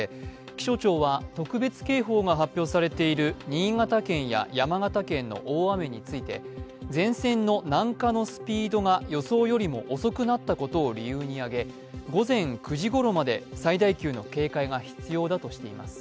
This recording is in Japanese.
気象庁は特別警報が発表されている新潟県や山形県の大雨について前線の南下のスピードが予想よりも遅くなったことを理由に挙げ午前９時ごろまで最大級の警戒が必要だとしています。